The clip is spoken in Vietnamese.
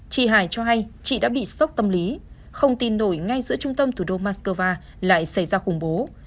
chị hải cho hay chị đã bị sốc tâm lý không tin nổi ngay giữa trung tâm thủ đô moscow lại xảy ra khủng bố